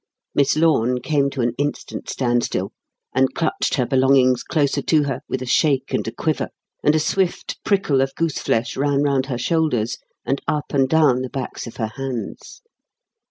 Miss Lorne came to an instant standstill and clutched her belongings closer to her with a shake and a quiver; and a swift prickle of goose flesh ran round her shoulders and up and down the backs of her hands.